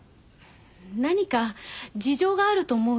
何か事情があると思うんです。